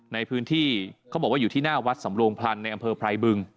ในพื้นที่เขาบอกว่าอยู่ที่หน้าวัดสำโรงพลันในอำเภอไพรบึง